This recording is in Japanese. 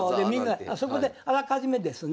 そこであらかじめですね